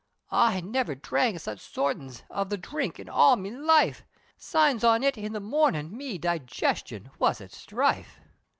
I never drank such sortin's, of The drink, in all me life, Signs on it, in the mornin', me Digestion, was at strife!